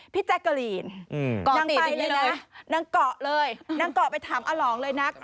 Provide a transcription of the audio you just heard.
แจ๊กกะลีนนางไปเลยนะนางเกาะเลยนางเกาะไปถามอาหลองเลยนะ